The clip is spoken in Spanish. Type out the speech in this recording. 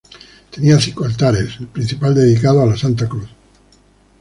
Tenía cinco altares, el principal dedicado a Santa Cruz.